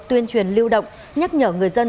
tuyên truyền lưu động nhắc nhở người dân